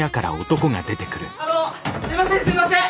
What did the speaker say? あのすみませんすみません！